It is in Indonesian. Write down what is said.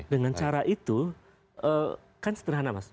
dengan cara itu kan sederhana mas